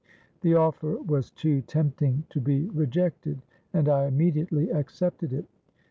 —The offer was too tempting to be rejected; and I immediately accepted it.